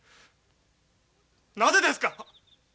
なぜですか？